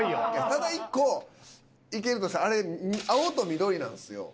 ただ一個いけるとしたらあれ青と緑なんですよ